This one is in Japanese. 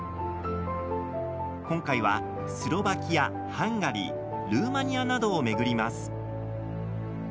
今回はスロバキア、ハンガリールーマニアなどを巡ります。